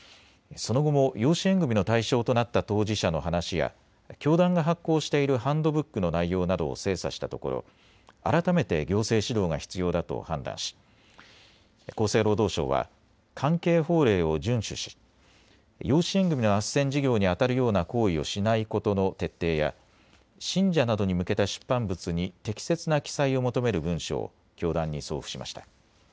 その後も養子縁組みの対象となった当事者の話や教団が発行しているハンドブックの内容などを精査したところ改めて行政指導が必要だと判断し厚生労働省は関係法令を順守し養子縁組みのあっせん事業にあたるような行為をしないことの徹底や信者などに向けた出版物に適切な記載を求める文書を教団に送付しました。